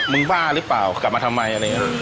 บ้าหรือเปล่ากลับมาทำไมอะไรอย่างนี้